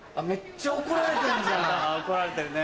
怒られてるね。